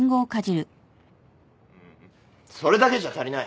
それだけじゃ足りない。